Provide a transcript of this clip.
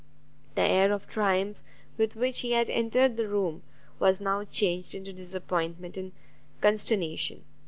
The air of triumph with which he had entered the room was now changed into disappointment and consternation.